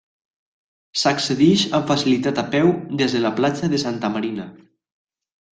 S'accedeix amb facilitat a peu des de la platja de Santa Marina.